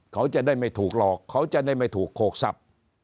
เขาจะได้ไม่ถูกหลอกเขาจะได้ไม่ถูกโขกทรัพย์